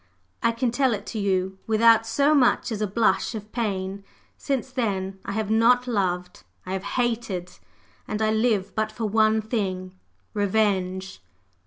I can tell it to you without so much as a blush of pain! Since then I have not loved, I have hated; and I live but for one thing Revenge."